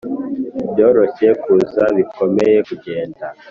byoroshye kuza, bikomeye kugenda